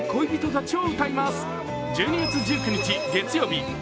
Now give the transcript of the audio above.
１２月１９日月曜夜７時。